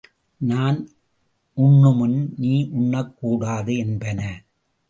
நான் உண்ணுமுன் நீ உண்ணக் கூடாது என்பன.